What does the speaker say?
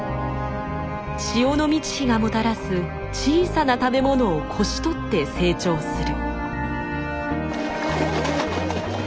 潮の満ち干がもたらす小さな食べものをこしとって成長する。